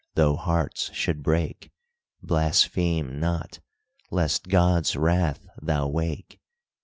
though hearts should break, Blaspheme not, lest God's wrath thou wake!